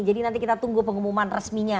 jadi nanti kita tunggu pengumuman resminya